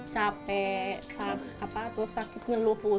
capek sakit terus hik